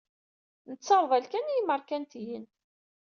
Nttarḍal kan i-y-imerkantiyen.